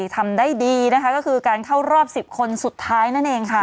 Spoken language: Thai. ทำได้ดีนะคะก็คือการเข้ารอบ๑๐คนสุดท้ายนั่นเองค่ะ